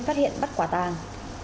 phát hiện bắt quả tàng